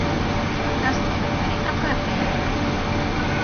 Tās nomet arī apkārtējie.